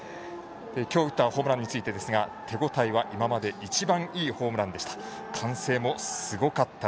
今日打ったホームランについて手応えは今まで一番いいホームランでした。